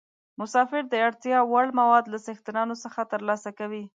مسافر د اړتیا وړ مواد له څښتنانو څخه ترلاسه کوي.